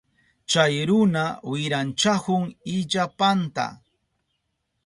Chay runa wiranchahun illapanta.